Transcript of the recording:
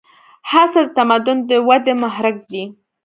هڅه د تمدن د ودې محرک دی.